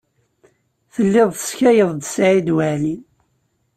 Telliḍ tesskayeḍ-d Saɛid Waɛli.